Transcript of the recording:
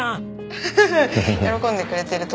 フフフッ喜んでくれてると思います。